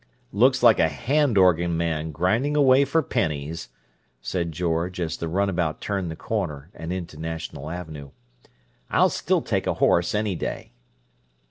"Looks like a hand organ man grinding away for pennies," said George, as the runabout turned the corner and into National Avenue. "I'll still take a horse, any day."